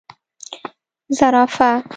🦒 زرافه